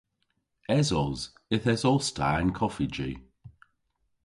Esos. Yth esos ta y'n koffiji.